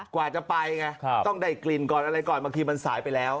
กว่าจะไปไงต้องได้กลิ่นก่อนอะไรก่อนบางทีมันสายไปแล้ว